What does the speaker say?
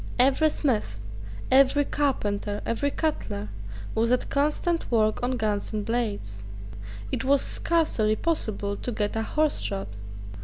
Every smith, every carpenter, every cutler, was at constant work on guns and blades. It was scarcely possible to get a horse shod.